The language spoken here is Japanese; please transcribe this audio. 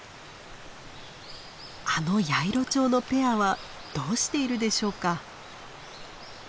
あのヤイロチョウのペアはどうしているでしょうか。